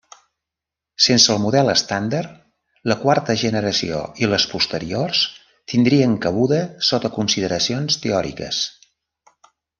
Sense el model estàndard, la quarta generació i les posteriors tindrien cabuda sota consideracions teòriques.